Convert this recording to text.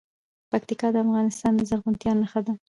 پکتیکا د افغانستان د زرغونتیا نښه ده.